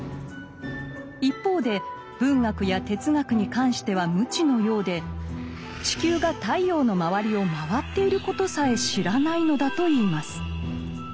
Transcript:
一方で文学や哲学に関しては無知のようで地球が太陽の周りを回っていることさえ知らないのだといいます。